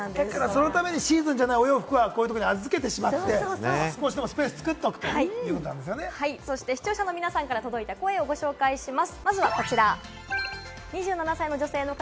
そのためにシーズンじゃないお洋服はこういうところに預けてしまって、少しでもスペースを作視聴者の皆さんから届いた声をご紹介します。